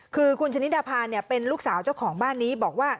คือคุณชนิดดาภาเป็นลูกสาวเจ้าของบ้านนี้บอกว่า